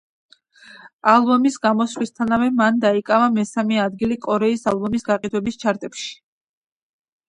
ალბომის გამოსვლისთანავე მან დაიკავა მესამე ადგილი კორეის ალბომის გაყიდვების ჩარტებში.